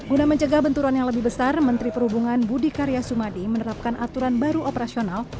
guna mencegah benturan yang lebih besar menteri perhubungan budi karya sumadi menerapkan aturan baru operasional